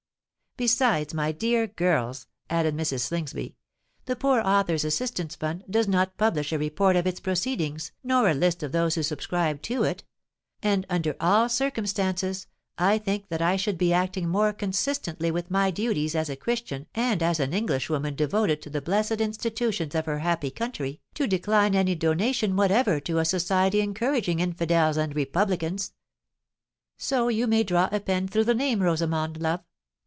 "Besides, my dear girls," added Mrs. Slingsby, "the Poor Authors' Assistance Fund does not publish a Report of its proceedings nor a list of those who subscribe to it; and, under all circumstances, I think that I should be acting more consistently with my duties as a Christian and as an Englishwoman devoted to the blessed institutions of her happy country, to decline any donation whatever to a Society encouraging infidels and republicans. So you may draw a pen through the name, Rosamond, love.